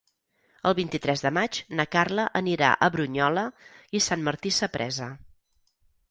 El vint-i-tres de maig na Carla anirà a Brunyola i Sant Martí Sapresa.